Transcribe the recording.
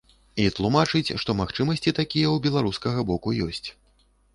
І тлумачыць, што магчымасці такія ў беларускага боку ёсць.